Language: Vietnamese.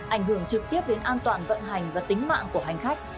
ảnh hưởng trực tiếp đến an toàn vận hành và tính mạng của hành khách